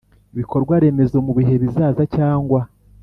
Ibikorwaremezo mu bihe bizaza cyangwa